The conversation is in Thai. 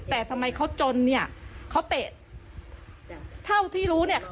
แต่ทำไมเขาจนเนี่ยเขาเตะเท่าที่รู้เนี่ย